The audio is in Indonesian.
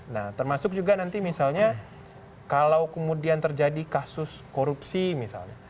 nah termasuk juga nanti misalnya kalau kemudian terjadi kasus korupsi misalnya